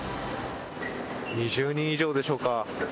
２０人以上でしょうか